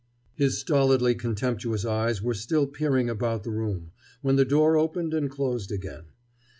His stolidly contemptuous eyes were still peering about the room when the door opened and closed again.